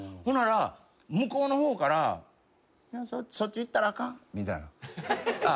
ほんなら向こうの方から「そっち行ったらあかん」みたいな。